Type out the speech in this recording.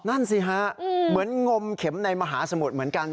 นั่นสิฮะเหมือนงมเข็มในมหาสมุทรเหมือนกัน